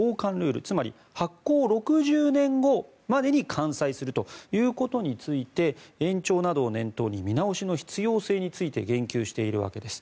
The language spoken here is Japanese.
つまり、発行６０年後までに完済するということについて延長などを念頭に見直しの必要性について言及しているわけです。